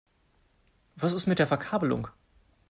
Was ist mit der Verkabelung?